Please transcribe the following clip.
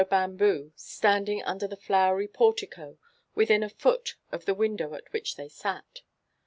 140 bamboo, standing under the flowery portico, within a foot of the window at which they sat.